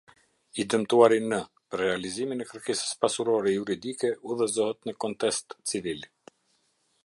I dëmtuari N, për realizimin e kërkesës pasurore juridike udhëzohet në kontest civil.